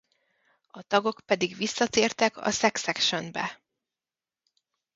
A tagok pedig visszatértek a Sex Action-be.